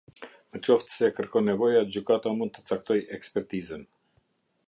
Në qoftë se e kërkon nevoja, gjykata mund ta caktojë ekspertizën.